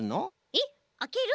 えっあける？